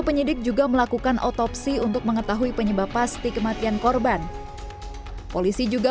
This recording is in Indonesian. penyidik juga melakukan otopsi untuk mengetahui penyebab pasti kematian korban polisi juga